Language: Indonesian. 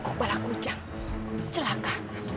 kepala kucang celaka